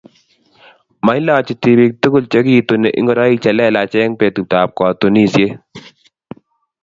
mailochi tibik tugul chekituni ngoroik che lelach eng' betutab katunisiet.